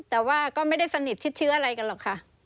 แต่ว่าก็ไม่ได้สนิทชิดเชื้ออะไรกันหรอกค่ะ